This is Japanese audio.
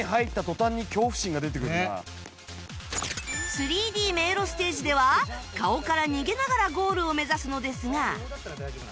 ３Ｄ 迷路ステージでは顔から逃げながらゴールを目指すのですが